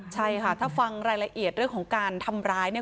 ใช่ค่ะถ้าฟังรายละเอียดเรื่องของการทำร้ายเนี่ย